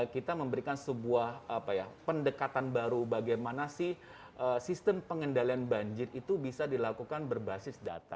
kita memberikan sebuah pendekatan baru bagaimana sih sistem pengendalian banjir itu bisa dilakukan berbasis data